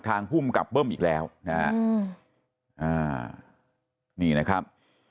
ภูมิกับเบิ้มอีกแล้วนะฮะนี่นะครับ